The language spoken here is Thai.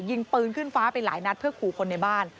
ยิงปืนขึ้นฟ้าไปหลายนัดเพื่อขู่คนในบ้าน